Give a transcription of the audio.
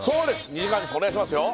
２時間ですお願いしますよ